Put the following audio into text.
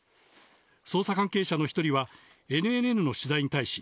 捜査関係者の１人は、ＮＮＮの取材に対し、